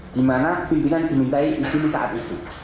di mana pimpinan dimintai izin saat itu